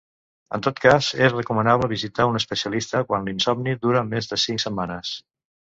En tot cas, és recomanable visitar un especialista quan l'insomni dura més de cinc setmanes.